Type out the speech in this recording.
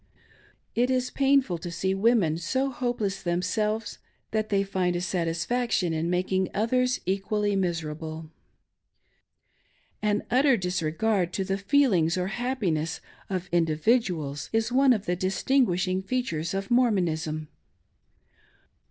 It is painful to see women so hopeless themselves that they find a satisfaction in making others equally miserable. An utter disregard to the feelings or happiness of individ uals is one of the distinguishing features of Mormonism.